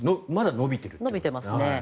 伸びてますね。